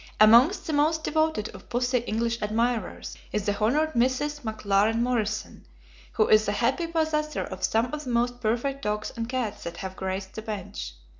Among the most devoted of Pussy's English admirers is the Hon. Mrs. McLaren Morrison, who is the happy possessor of some of the most perfect dogs and cats that have graced the bench.